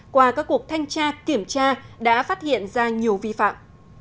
qua các cuộc thanh tra kiểm tra đã phát hiện ra nhiều vi phạm